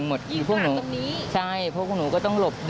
มีการฆ่ากันห้วย